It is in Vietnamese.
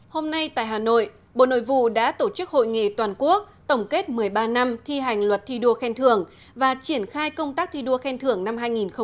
hôm nay tại hà nội bộ nội vụ đã tổ chức hội nghị toàn quốc tổng kết một mươi ba năm thi hành luật thi đua khen thưởng và triển khai công tác thi đua khen thưởng năm hai nghìn một mươi chín